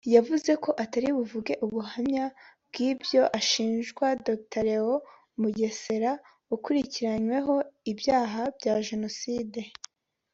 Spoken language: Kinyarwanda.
yavuze ko atari buvuge ubuhamya bw’ibyo ashinja Dr Léon Mugesera ukurikiranweho ibyaha bya Jenoside